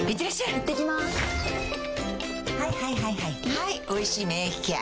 はい「おいしい免疫ケア」